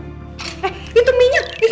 eh itu minyak